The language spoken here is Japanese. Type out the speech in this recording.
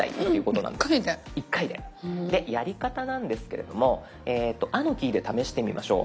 でやり方なんですけれども「あ」のキーで試してみましょう。